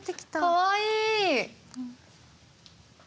かわいい。